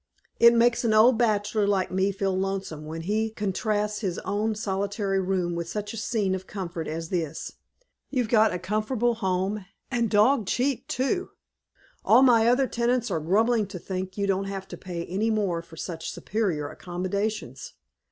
It makes an old bachelor, like me, feel lonesome when he contrasts his own solitary room with such a scene of comfort as this. You've got a comfortable home, and dog cheap, too. All my other tenants are grumbling to think you don't have to pay any more for such superior accommodations.